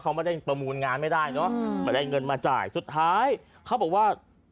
เขาไม่ได้ประมูลงานไม่ได้เนอะไม่ได้เงินมาจ่ายสุดท้ายเขาบอกว่า